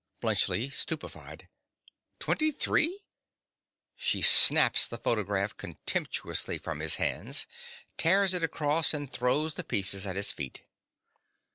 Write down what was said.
BLUNTSCHLI. (stupefied). Twenty three! (_She snaps the photograph contemptuously from his hand; tears it across; and throws the pieces at his feet.